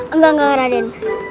enggak enggak raden